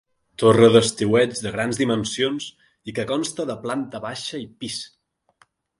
Torre d'estiueig de grans dimensions i que consta de planta baixa i pis.